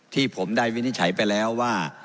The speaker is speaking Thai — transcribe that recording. ที่ผมได้วินิจฉัยไปแล้วว่า